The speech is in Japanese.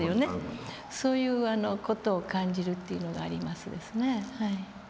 そういう事を感じるというのがありますですね。